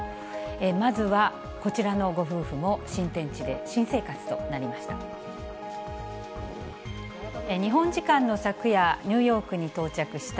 まずは、こちらのご夫婦も新天地で新生活となりました。